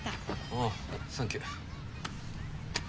おぉサンキュー。